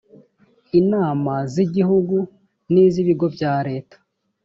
inama z igihugu n iz ibigo bya leta